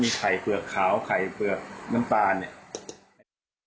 มีไข่เปลือกขาวไข่เปลือกน้ำตาล